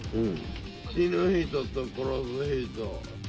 死ぬ人と殺す人。